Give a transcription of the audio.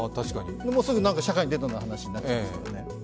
すぐ社会に出たという話になっちゃいますよね。